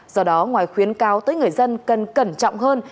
do đó ngoài khuyến cáo tới người dân cần cẩn trọng hơn